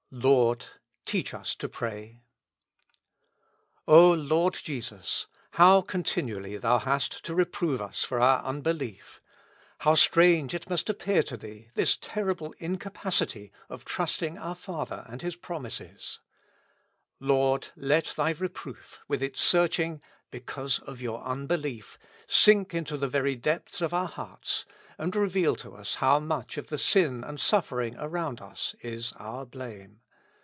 " Lord, teach us to pray." O Lord Jesus ! how continually Thou hast to re prove us for our unbelief ! How strange it must 107 With Christ in the School of Prayer. appear to Thee, this terrible incapacity of trusting our Father and His promises. Lord ! let Thy reproof, with its searching, " Because of your unbelief," sink into the very depths of our hearts, and reveal to us how much of the sin and suffering around us is our blame.